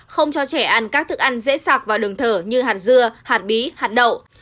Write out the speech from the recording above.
không cho trẻ ăn các thức ăn dễ sạc vào đường thở như hạt dưa hạt bí hạt đậu